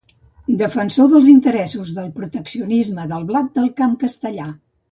Defensor dels interessos del proteccionisme del blat del camp castellà.